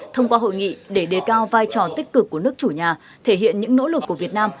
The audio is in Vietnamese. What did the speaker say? thông qua hội nghị để đề cao vai trò tích cực của nước chủ nhà thể hiện những nỗ lực của việt nam